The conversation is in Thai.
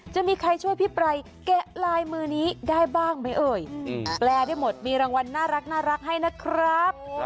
จะมีใครช่วยพี่ปรายแกะลายมือนี้ได้บ้างไหมเอ่ยแปลได้หมดมีรางวัลน่ารักให้นะครับ